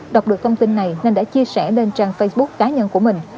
đọc được thông tin này nên đã chia sẻ lên trang facebook cá nhân của mình